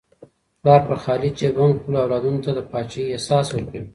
پلار په خالي جیب هم خپلو اولادونو ته د پاچاهۍ احساس ورکوي.